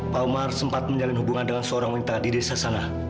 pak umar sempat menjalin hubungan dengan seorang wanita di desa sana